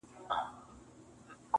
ښه پوهېږمه غمی له ده سره دی,